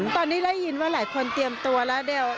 ตอนนี้ได้ยินว่าหลายคนเตรียมตัวแล้วเดี๋ยว